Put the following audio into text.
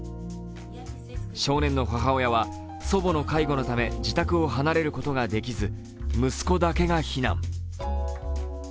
少年の母親は祖母の介護のため自宅を離れることができず、息子だけが避難。